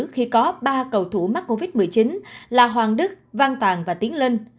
khi có ba cầu thủ mắc covid một mươi chín là hoàng đức văn tàn và tiến linh